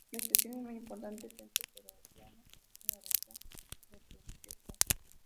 La estación es un importante centro ferroviario en la región del Turquestán.